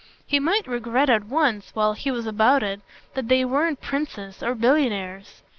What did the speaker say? He might regret at once, while he was about it, that they weren't princes or billionaires.